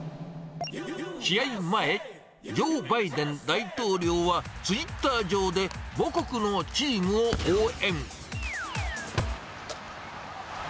試合前、ジョー・バイデン大統領は、ツイッター上で母国のチームを応援。